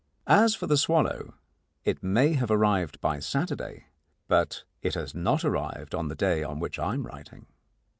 As for the swallow, it may have arrived by Saturday, but it has not arrived on the day on which I am writing.